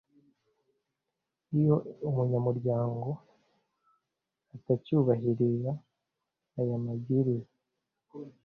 Iyo umunyamuryango atacyubahiriza ayamabwiriza